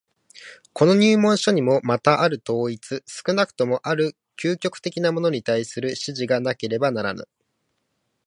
この入門書にもまたある統一、少なくともある究極的なものに対する指示がなければならぬ。